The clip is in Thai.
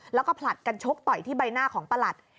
แล้วก็ผลัดกันชกต่อยที่ใบหน้าของประหลัด